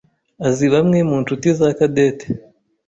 azi bamwe mu nshuti za Cadette.